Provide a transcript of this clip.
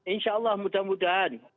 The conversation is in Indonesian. insya allah mudah mudahan